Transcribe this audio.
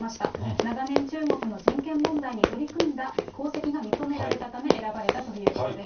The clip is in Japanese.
長年、中国の人権問題に取り組んだ功績が認められたため、選ばれたということです。